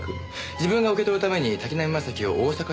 自分が受け取るために滝浪正輝を大阪に行かせた。